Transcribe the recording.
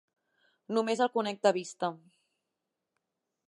Només el conec de vista.